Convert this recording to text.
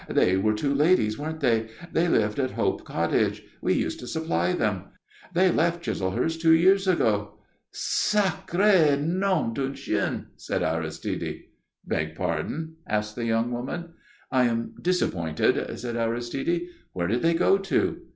"They were two ladies, weren't they? They lived at Hope Cottage. We used to supply them. They left Chislehurst two years ago." "Sacré nom d'un chien!" said Aristide. "Beg pardon?" asked the young woman. "I am disappointed," said Aristide. "Where did they go to?"